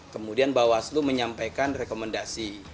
kemudian bawah selu menyampaikan rekomendasi